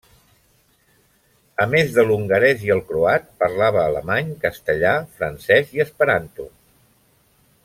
A més de l'hongarès i el croat, parlava alemany, castellà, francès i esperanto.